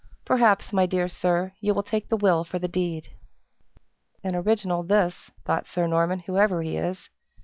Perhaps, my dear sir, you will take the will for the deed." "An original, this," thought Sir Norman, "whoever he is."